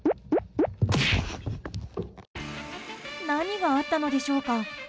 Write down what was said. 何があったのでしょうか。